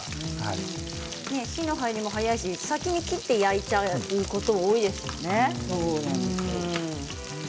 火の入りも早いですし先に切って焼いている方が多いですよね。